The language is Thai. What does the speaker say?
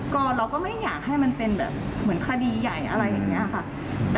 ก็เราก็ไม่อยากให้มันเป็นแบบเหมือนคดีใหญ่อะไรอย่างนี้ค่ะ